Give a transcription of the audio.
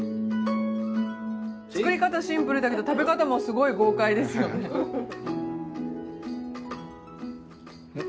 作り方シンプルだけど食べ方もすごい豪快ですよね。